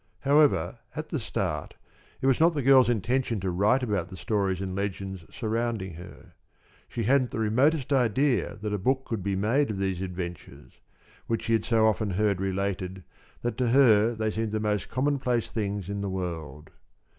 However, at the start it was not the girl's intention to write about the stories and legends surrounding her. She hadn't the remotest idea that a book could be made of these adventures, which she had so often heard related that to her they seemed the most commonplace things in the world.